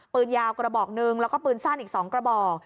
ปืญยาวกระบอก๑แล้วก็ปืญสั้นอีกสองกระบอก